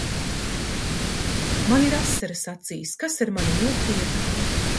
Man ir asaras acīs. Kas ar mani notiek?